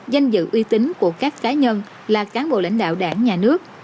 danh dự uy tín của các cá nhân là cán bộ lãnh đạo đảng nhà nước